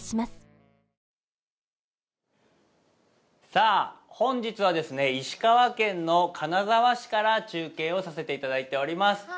さあ、本日は、石川県の金沢市から中継をさせていただいております。